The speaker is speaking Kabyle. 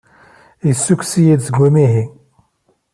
Yessukkes-iyi-d seg umihi.